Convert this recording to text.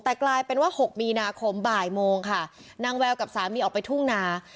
แต่กลายเป็นว่าหกมีนาคมบ่ายโมงค่ะนางแววกับสามีออกไปทุ่งนา